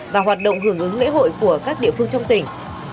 và hoạt động hưởng ứng lễ hội của các địa phương trong tỉnh